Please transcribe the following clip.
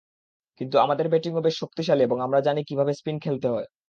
কিন্তু আমাদের ব্যাটিংও বেশ শক্তিশালী এবং আমরা জানি কীভাবে স্পিন খেলতে হয়।